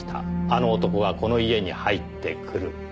あの男がこの家に入ってくる」